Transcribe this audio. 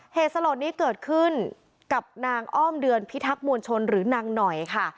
เหตุสลดนี้เกิดขึ้นกับนางอ้อมเดือนพิทักษ์มวลชนหรือนางหน่อยค่ะ